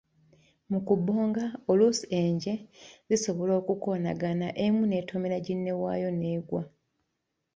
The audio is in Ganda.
Mu kubonga, oluusi enje zisobola okukoonagana, emu n'etomera ginne waayo n'egwa.